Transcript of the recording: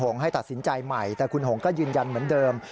ให้ตัดสินใจใหม่แต่คุณหงก็ยืนยันเหมือนเดิม